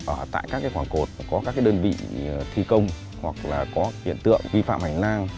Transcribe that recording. ở các khoảng cột có các đơn vị thi công hoặc hiện tượng vi phạm hành năng